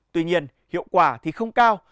tuy nhiên hiệu quả thì không cao